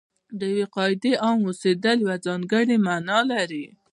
د یوې قاعدې عام اوسېدل یوه ځانګړې معنا لري.